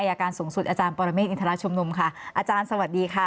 อาการสูงสุดอาจารย์ปรเมฆอินทรชุมนุมค่ะอาจารย์สวัสดีค่ะ